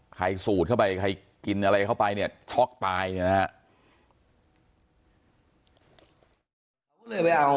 สูดเข้าไปใครกินอะไรเข้าไปเนี่ยช็อกตายเนี่ยนะฮะ